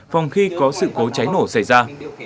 phòng khi có sự cố cháy nổ xảy ra